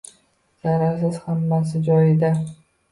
Zararsiz, hammasi joyida.